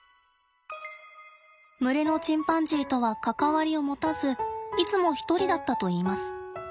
群れのチンパンジーとは関わりを持たずいつも一人だったといいます。